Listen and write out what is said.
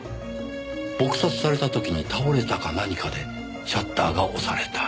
撲殺された時に倒れたか何かでシャッターが押された。